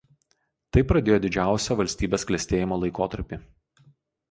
Tai pradėjo didžiausią valstybės klestėjimo laikotarpį.